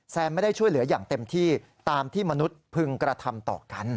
ไม่ได้ช่วยเหลืออย่างเต็มที่ตามที่มนุษย์พึงกระทำต่อกัน